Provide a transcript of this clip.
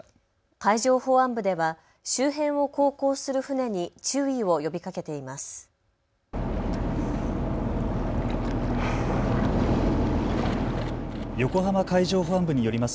海上保安部では周辺を航行する船に注意を呼びかけています。